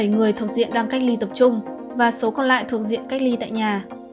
bảy người thuộc diện đang cách ly tập trung và số còn lại thuộc diện cách ly tại nhà